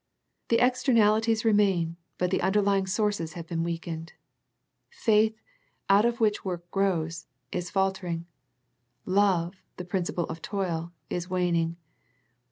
The externalities remain, but the un derlying sources have been weakened. Faith, out of which work grows, is faltering. Love, the principle of toil, is waning.